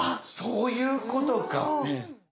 そういうことか。